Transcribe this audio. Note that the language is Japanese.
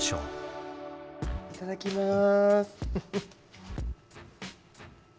いただきます。